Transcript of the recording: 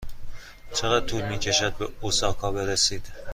چقدر طول می کشد به اوساکا برسد؟